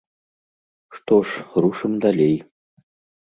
Што ж, рушым далей.